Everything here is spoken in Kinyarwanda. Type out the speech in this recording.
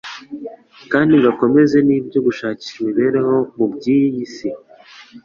kandi ngo akomeze n'ibyo gushakisha imibereho mu by'iyi si.